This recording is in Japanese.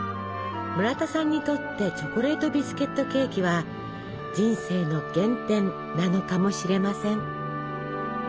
村田さんにとってチョコレートビスケットケーキは人生の原点なのかもしれません。